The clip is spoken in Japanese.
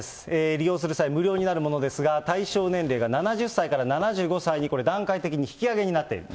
利用する際、無料になるものですが、対象年齢が７０歳から７５歳にこれ、段階的に引き上げになっている。